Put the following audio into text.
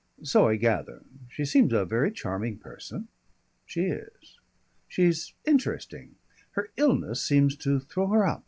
"So I gather.... She seems a very charming person." "She is." "She's interesting. Her illness seems to throw her up.